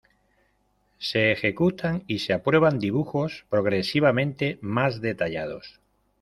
Se ejecutan y se aprueban dibujos progresivamente más detallados.